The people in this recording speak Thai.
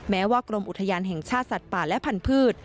แม้ว่ากรมอุทยานแห่งชาติสัตว์ป่าและพันธุ์